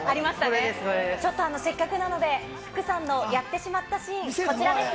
これです、ちょっと、せっかくなので、福さんのやってしまったシーン、こちらです。